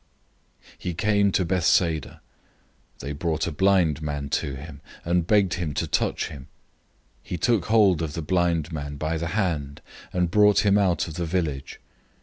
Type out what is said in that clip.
008:022 He came to Bethsaida. They brought a blind man to him, and begged him to touch him. 008:023 He took hold of the blind man by the hand, and brought him out of the village.